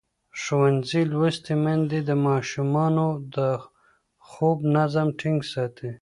ښوونځې لوستې میندې د ماشومانو د خوب نظم ټینګ ساتي.